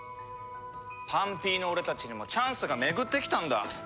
パンピーの俺たちにもチャンスが巡ってきたんだ。